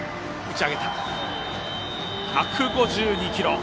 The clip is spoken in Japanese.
１５２キロ。